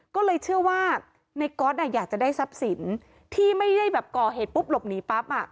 ก็เลยเชื่อว่าในก๊อตอยากจะได้ทรัพย์สินที่ไม่ได้แบบก่อเหตุปุ๊บหลบหนีปั๊บ